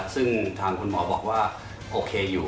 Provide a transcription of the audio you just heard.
ซึ่งทางคุณหมอบอกว่าโอเคอยู่